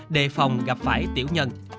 đề phòng gặp phải tiểu nhân